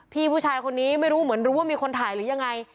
พี่ผู้ชายคนนี้ไม่รู้เหมือนรู้ว่ามีคนถ่ายหรือยังไง